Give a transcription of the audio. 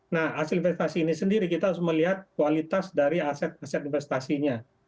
nah hasil investasi ini sendiri kita harus melihat kualitas dari aset aset investasinya